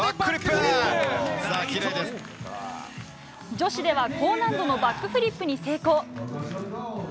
女子では高難度のバックフリップに成功。